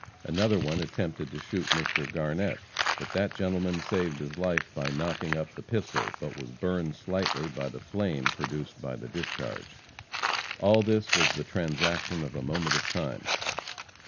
Another one attempted to shoot Mr. Garnett, but that gentleman saved his life by knocking up the pistol, but was burned slightly by the flame produced by the discharge. All this was the transaction of a moment of time.